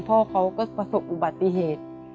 พ่อเขาก็ประสบอุบัติเหตุ